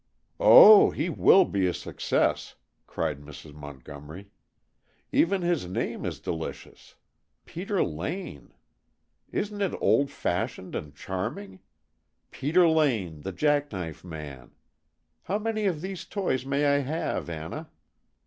"Oh, he will be a success!" cried Mrs. Montgomery. "Even his name is delicious. Peter Lane! Isn't it old fashioned and charming? Peter Lane, the Jack knife Man! How many of these toys may I have, Anna?"